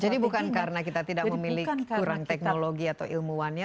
jadi bukan karena kita tidak memiliki kurang teknologi atau ilmuwannya